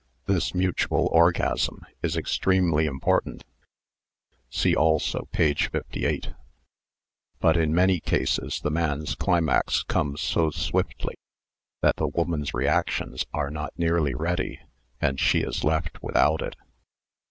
This mutual orgasm is extremely important (see also p. 58), but in many cases the man's climax comes so swiftly that the woman's reactions are not nearly ready, and she is left without it.